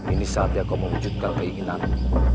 ini saatnya kau mewujudkan keinginanmu